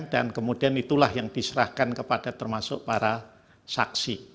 dan kemudian itulah yang diserahkan kepada termasuk para saksi